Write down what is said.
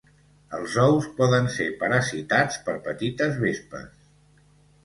Els ous poden ser parasitats per petites vespes.